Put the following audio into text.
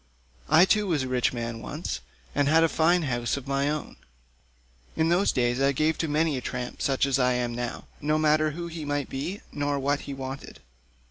I too was a rich man once, and had a fine house of my own; in those days I gave to many a tramp such as I now am, no matter who he might be nor what he wanted.